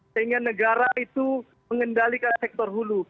sehingga negara itu mengendalikan sektor hulu